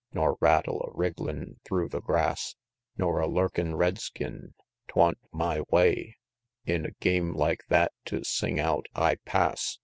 Nor rattle a wrigglin' through the grass, Nor a lurkin' red skin 'twan't my way In a game like that to sing out, "I pass!"